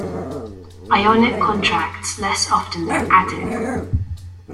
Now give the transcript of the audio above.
Ionic contracts less often than Attic.